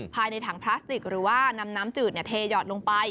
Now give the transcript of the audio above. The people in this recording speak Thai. ภายในถังพลาสติกหรือว่านำน้ำจืดเทหยอดลงไป